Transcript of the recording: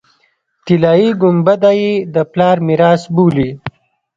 طلایي ګنبده یې د پلار میراث بولي.